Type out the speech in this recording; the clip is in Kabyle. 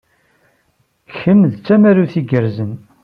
Kemm d tamarut igerrzen.